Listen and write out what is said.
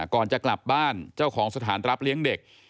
ก่อนจะกลับบ้านเจ้าของสถานรับเลี้ยงเด็ก